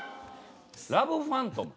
「ラブファントム」？